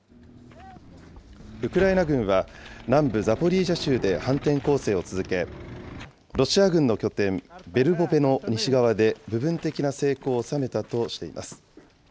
ウクライナ軍は、南部ザポリージャ州で反転攻勢を続け、ロシア軍の拠点、ベルボベの西側で部分的な成功を収めたとしています。